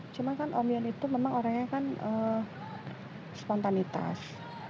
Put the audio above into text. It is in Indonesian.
cuma kan om yon itu memang orangnya kan spontanitas